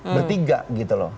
bertiga gitu loh